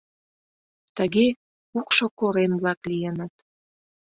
Тыге кукшо корем-влак лийыныт.